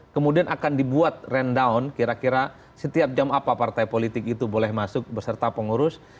kemudian akan dibuat rendown kira kira setiap jam apa partai politik itu boleh masuk beserta pengurus